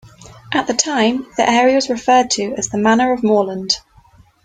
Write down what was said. At the time, the area was referred to as the "Manor of Mooreland".